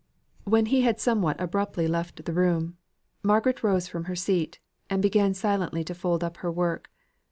When he had somewhat abruptly left the room, Margaret rose from her seat, and began silently to fold up her work.